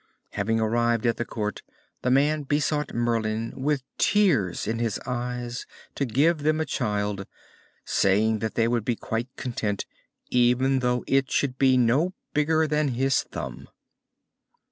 Having arrived at the Court, the man besought Merlin with tears in his eyes to give them a child, saying that they would be quite content even though it should be no bigger than his thumb.